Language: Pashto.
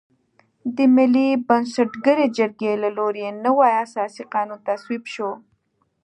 د ملي بنسټګرې جرګې له لوري نوی اساسي قانون تصویب شو.